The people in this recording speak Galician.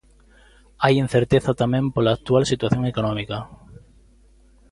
Hai incerteza tamén pola actual situación económica.